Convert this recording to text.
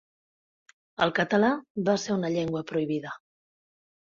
El català va ser una llengua prohibida.